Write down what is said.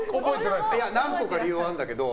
何個か理由はあるんだけど。